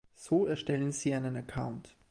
So erstellen Sie einen Account.